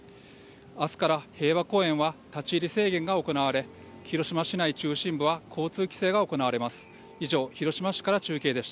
明日から平和公園は立ち入り制限が行われ、広島市内中心部は交通規制が行われます。